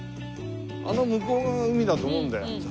あの向こう側海だと思うんだよ。